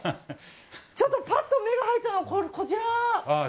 ちょっとパッと目に入ったのがこちら。